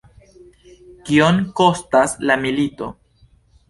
Kiom kostas la milito?